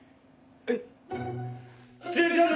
えっ。